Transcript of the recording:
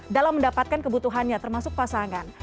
dalam mendapatkan kebutuhannya termasuk pasangan